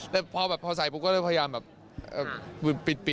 แต่พอใส่ปุ๊บก็เลยพยายามแบบปิด